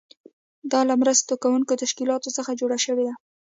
دا له مرسته کوونکو تشکیلاتو څخه جوړه شوې ده.